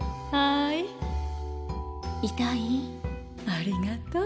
ありがとう。